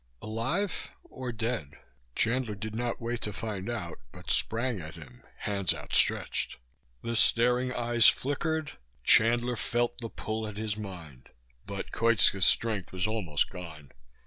Alive or dead? Chandler did not wait to find out but sprang at him hands outstreched. The staring eyes flickered; Chandler felt the pull at his mind. But Koitska's strength was almost gone.